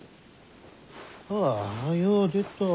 ああよう出たわ。